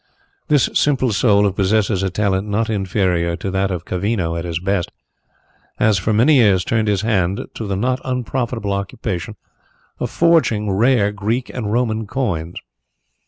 This simple soul, who possesses a talent not inferior to that of Cavino at his best, has for many years turned his hand to the not unprofitable occupation of forging rare Greek and Roman coins.